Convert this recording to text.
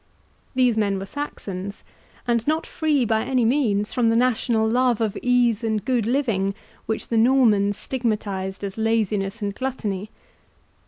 These men were Saxons, and not free by any means from the national love of ease and good living which the Normans stigmatized as laziness and gluttony.